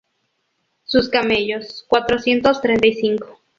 Sus camellos, cuatrocientos treinta y cinco;